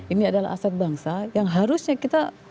ini adalah aset bangsa yang harusnya kita